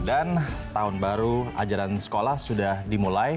dan tahun baru ajaran sekolah sudah dimulai